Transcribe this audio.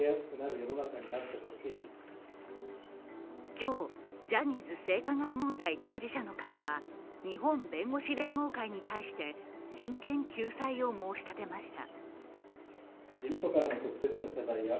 今日、ジャニーズ性加害問題当事者の会は日本弁護士連合会に対して、人権救済を申し立てました。